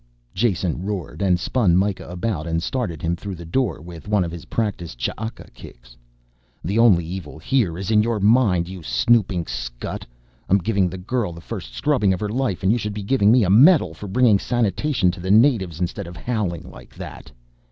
_" Jason roared, and spun Mikah about and started him through the door with one of his practiced Ch'aka kicks. "The only evil here is in your mind, you snooping scut. I'm giving the girl the first scrubbing of her life and you should be giving me a medal for bringing sanitation to the natives instead of howling like that."